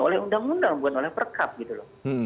oleh undang undang bukan oleh perkab gitu loh